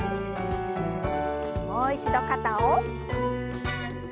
もう一度肩を。